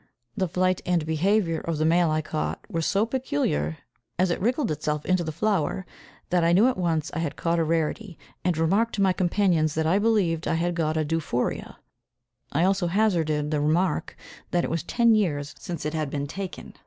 The flight and behaviour of the male I caught were so peculiar, as it wriggled itself into the flower, that I knew at once I had caught a rarity, and remarked to my companions that I believed I had got a Dufourea. I also hazarded the remark that it was "ten years since it had been taken."